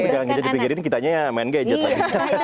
jangan gadget dipinggirin kita hanya main gadget lagi